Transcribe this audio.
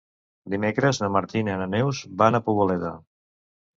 Dimecres na Martina i na Neus van a Poboleda.